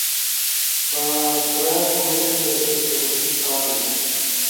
ٹرانسکرائب ووٹنگ در ایک غلطی آلی